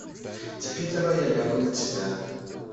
Теперь давай я лягу на тебя.